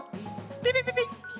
ピピピピピ。